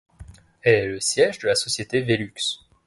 Elle est le siège de la société Velux.